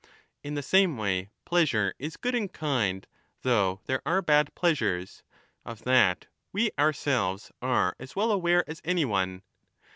7 1205 In the same way pleasure is good in kind, though there are bad pleasures — of that we ourselves are as well aware as any one.